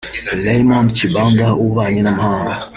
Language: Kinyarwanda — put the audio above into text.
Raymond Tshibanda w’ububanyi n’amahanga